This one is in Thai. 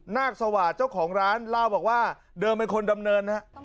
นาคสวาสเจ้าของร้านเล่าบอกว่าเดิมเป็นคนดำเนินนะครับ